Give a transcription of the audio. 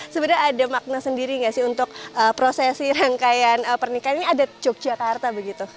sebenarnya ada makna sendiri nggak sih untuk prosesi rangkaian pernikahan ini adat yogyakarta begitu